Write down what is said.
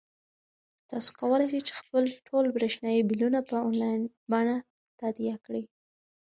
تاسو کولای شئ چې خپلې ټولې برېښنايي بلونه په انلاین بڼه تادیه کړئ.